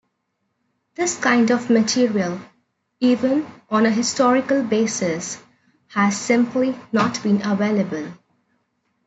This kind of material, even on a historical basis, has simply not been available.